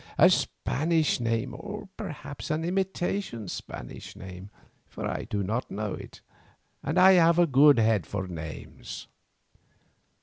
"A Spanish name, or perhaps an imitation Spanish name, for I do not know it, and I have a good head for names."